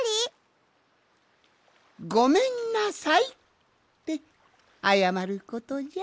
「ごめんなさい」ってあやまることじゃ。